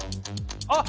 あっ！